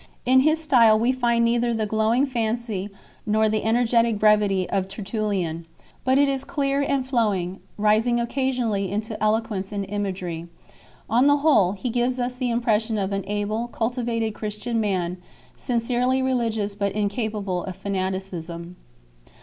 In his style we find neither the glowing fancy nor the energetic brevity of Tertullian ; but it is clear and flowing, rising occasionally into eloquence and imagery 3 . On the whole, he gives us the impression of an able, cultivated Christian man, sin cerely religious but incapable of fanaticism.